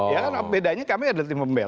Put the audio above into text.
ya kan bedanya kami adalah tim pembela